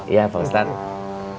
iya pak ustadz